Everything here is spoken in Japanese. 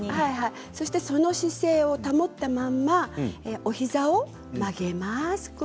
その姿勢を保ったままお膝を曲げます。